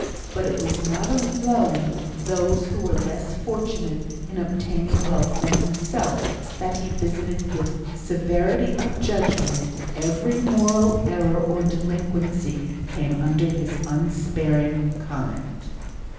But it was not alone those who were less fortunate in obtaining wealth than himself that he visited with severity of judgment; every moral error or delinquency came under his unsparing comment.